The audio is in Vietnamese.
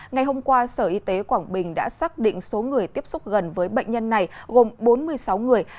ngày hôm qua sở y tế quảng bình đã xác định số người tiếp xúc gần với bệnh nhân này gồm bốn mươi sáu người